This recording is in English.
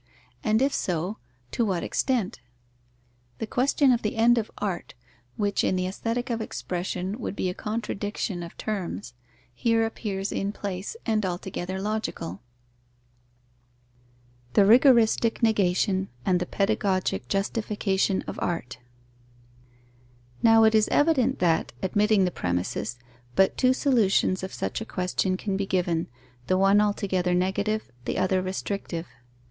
And if so, to what extent? The question of the end of art, which in the Aesthetic of expression would be a contradiction of terms, here appears in place, and altogether logical. The rigoristic negation, and the pedagogic justification of art. Now it is evident that, admitting the premisses, but two solutions of such a question can be given, the one altogether negative, the other restrictive.